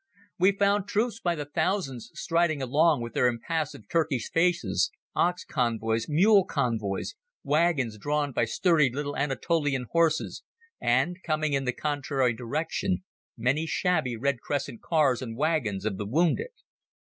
We found troops by the thousands striding along with their impassive Turkish faces, ox convoys, mule convoys, wagons drawn by sturdy little Anatolian horses, and, coming in the contrary direction, many shabby Red Crescent cars and wagons of the wounded.